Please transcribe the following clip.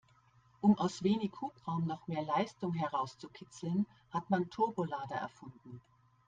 Um aus wenig Hubraum noch mehr Leistung herauszukitzeln, hat man Turbolader erfunden.